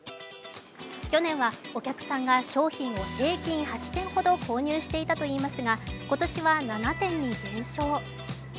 去年はお客さんが商品を平均８点ほど購入していたといいますが今年は７点に減少。